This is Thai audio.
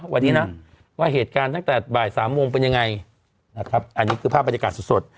วันนี้นะว่าเหตุการณ์ตั้งแต่บ่ายสามโมงเป็นยังไงนะครับอันนี้คือภาพบรรยากาศสด